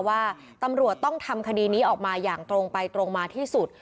ว่าตำรวจต้องทำคดีนี้ออกมาอย่างตรงไปตรงมาที่สุด